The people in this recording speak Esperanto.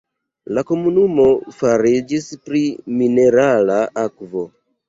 La komunumo famiĝis pri minerala akvo.